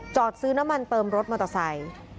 ซื้อน้ำมันเติมรถมอเตอร์ไซค์